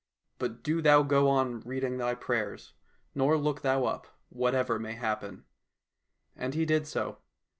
But do thou go on reading thy prayers, nor look thou up, whatever may happen." And he did so.